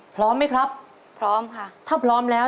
พร้อมไหมครับพร้อมค่ะถ้าพร้อมแล้ว